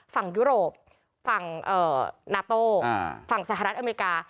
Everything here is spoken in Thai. ยุโรปฝั่งนาโต้ฝั่งสหรัฐอเมริกา